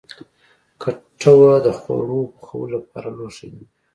کټوه د خواړو پخولو لپاره لوښی دی